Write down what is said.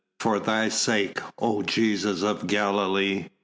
"For Thy sake, oh Jesus of Galilee!"